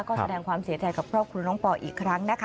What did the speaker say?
ก็แสดงความเสียใจกับครอบครัวน้องปออีกครั้งนะคะ